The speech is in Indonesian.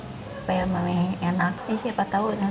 dua bulan dari sana